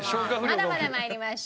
まだまだ参りましょう。